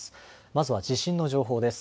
まずは地震の情報です。